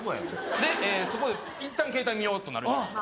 でそこでいったんケータイ見ようとなるじゃないですか。